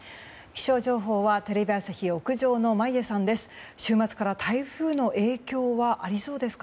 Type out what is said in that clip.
気象情報はテレビ朝日屋上の眞家さんです。